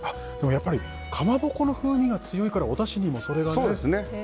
やっぱりかまぼこの風味が強いからおだしにもそれがね。